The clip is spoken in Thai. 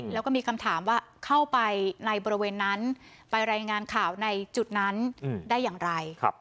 แล้วก็มีคำถามว่าเข้าไปในบริเวณนั้นไปรายงานข่าวในจุดนั้นได้อย่างไร